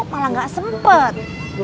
malah nggak sempet